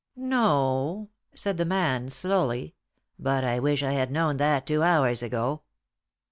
"No," said the man, slowly; "but I wish I had known that two hours ago."